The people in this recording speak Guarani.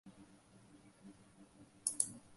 Kururu ra'ýnte oñembyasy